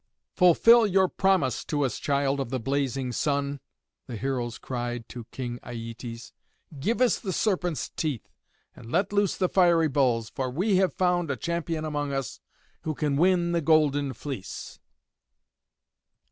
"Fulfil your promise to us, Child of the blazing Sun," the heroes cried to King Aietes. "Give us the serpents' teeth, and let loose the fiery bulls, for we have found a champion among us, who can win the Golden Fleece!"